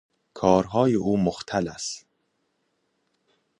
کارهای او مختل است.